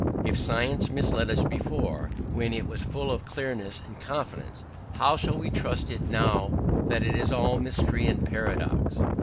If science misled us before, when it was full of clearness and confidence, how shall we trust it now that it is all mystery and paradox?